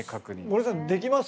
森さんできます？